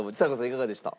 いかがでした？